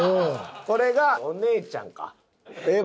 これがお姉ちゃんか。